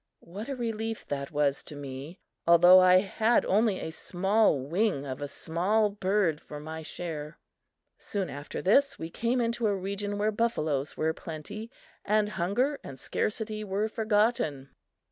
What a relief that was to me although I had only a small wing of a small bird for my share! Soon after this, we came into a region where buffaloes were plenty, and hunger and scarcity were forgotten.